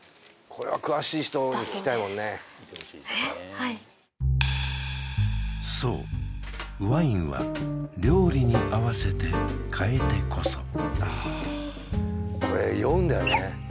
はいそうワインは料理に合わせて変えてこそこれ酔うんだよね